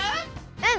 うん！